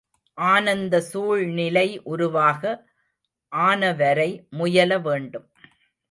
ஆனந்த சூழ்நிலை உருவாக ஆனவரை முயல வேண்டும்.